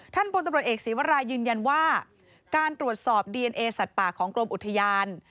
พลตำรวจเอกศีวรายยืนยันว่าการตรวจสอบดีเอนเอสัตว์ป่าของกรมอุทยาน